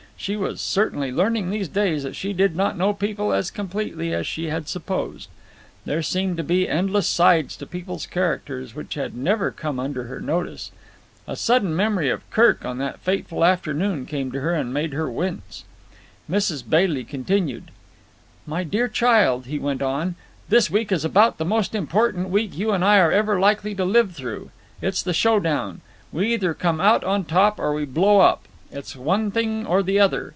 She was certainly learning these days that she did not know people as completely as she had supposed. There seemed to be endless sides to people's characters which had never come under her notice. A sudden memory of Kirk on that fateful afternoon came to her and made her wince. Mrs. Bailey continued: "'My dear child,' he went on, 'this week is about the most important week you and I are ever likely to live through. It's the show down. We either come out on top or we blow up. It's one thing or the other.